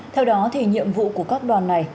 theo đó thì nhiệm vụ của các đoàn